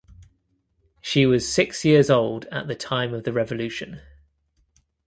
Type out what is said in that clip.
She was six years old at the time of the revolution.